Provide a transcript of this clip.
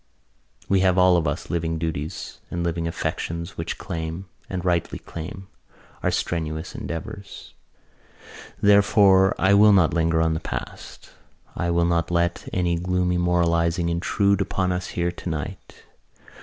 We have all of us living duties and living affections which claim, and rightly claim, our strenuous endeavours. "Therefore, I will not linger on the past. I will not let any gloomy moralising intrude upon us here tonight.